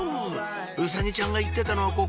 うさぎちゃんが言ってたのはここ？